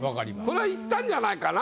これはいったんじゃないかな。